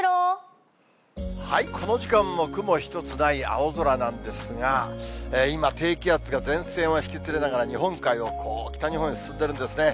この時間も雲一つない青空なんですが、今、低気圧が前線を引き連れながら日本海を北日本へ進んでるんですね。